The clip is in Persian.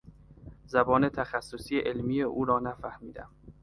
زبان تخصصی علمی او را نفهمیدم.